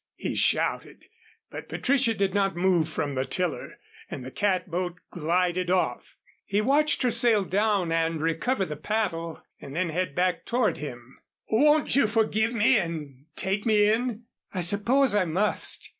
he shouted. But Patricia did not move from the tiller, and the catboat glided off. He watched her sail down and recover the paddle and then head back toward him. "Won't you forgive me and take me in?" "I suppose I must.